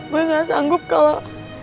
gue gak sanggup kalau